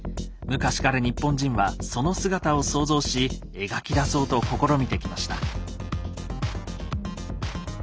昔から日本人はその姿を想像し描き出そうと試みてきました。